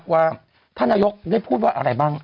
ว่าท่านนายกได้พูดว่าอะไรบ้าง